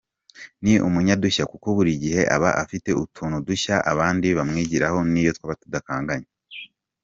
Ni umunyadushya kuko buri igihe aba afite utuntu dushya abandi bamwigiraho niyo twaba tudakanganye.